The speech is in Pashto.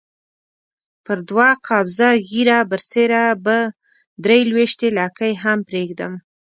پر دوه قبضه ږیره برسېره به درې لويشتې لکۍ هم پرېږدم.